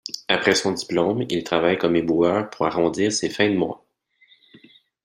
Après son diplôme, il travaille comme éboueur pour arrondir ses fins de mois.